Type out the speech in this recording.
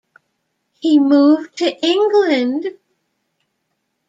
He moved to England.